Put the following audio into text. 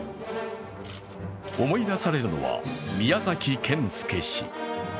思い出されるのは宮崎謙介氏。